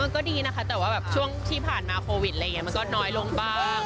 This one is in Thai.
ก็ดีนะคะแต่ว่าช่วงที่ผ่านมาโควิดมันก็น้อยลงบ้าง